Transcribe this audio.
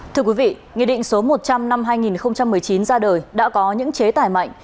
thưa quý vị nghị định số một trăm linh năm hai nghìn một mươi chín ra đời đã có những chế tải mạnh